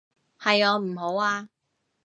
係我唔好啊